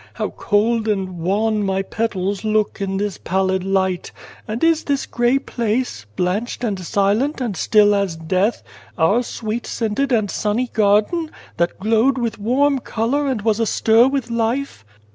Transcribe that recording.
How cold and wan my petals look in this pallid light ! And is this grey place blanched and silent and still as death our sweet scented and sunny garden, that glowed with warm colour and was astir with life